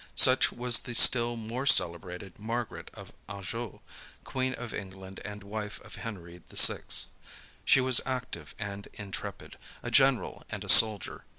Such was the still more celebrated Margaret of Anjou, queen of England and wife of Henry VI. She was active and intrepid, a general and a soldier.